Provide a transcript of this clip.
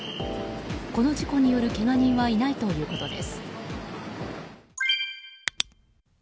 この事故によるけが人はいないということです。